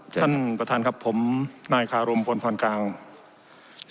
ท่านประธานครับผมนายคารมพลพรกาว